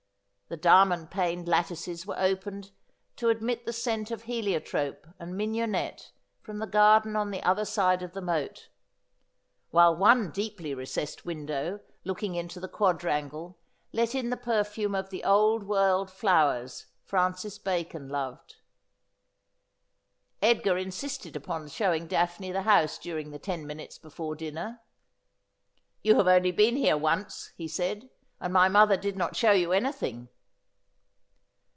The diamond paned lattices were opened to admit the scent of heliotrope and mignonette from the garden on the other side of the moat ; while one deeply recessed window look 160 Asphodel. ing into the quadrangle let in the perfume of the old world flowers Francis Bacon loved. Edgar insisted upon showing Daphne the house during the ten minutes before dinner. ' You have only been here once,' he said, ' and my mother did not show you anything.'